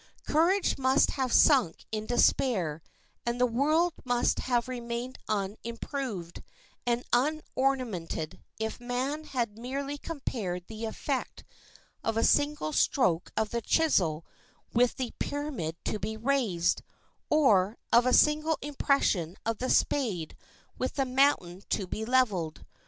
Courage must have sunk in despair, and the world must have remained unimproved and unornamented if man had merely compared the effect of a single stroke of the chisel with the pyramid to be raised, or of a single impression of the spade with the mountain to be leveled.